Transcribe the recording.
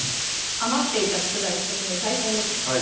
余っていた食材１つ目大根ですね